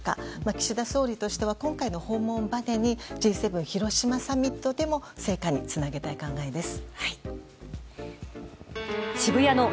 岸田総理としては今回の訪問をばねにＧ７広島サミットでの成果につなげたい考えです。